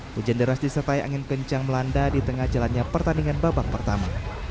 hujan deras disertai angin kencang melanda di tengah jalannya pertandingan babak pertama